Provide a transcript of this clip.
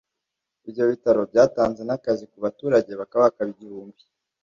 Ibyo bitaro byatanze n’akazi ku baturage bakabakaba igihumbi